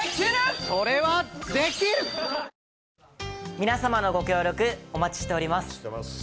皆様のご協力、お待ちしておお待ちしてます。